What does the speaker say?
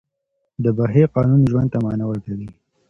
د بښې قانون ژوند ته معنا ورکوي.